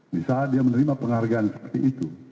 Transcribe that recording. di saat dia menerima penghargaan seperti itu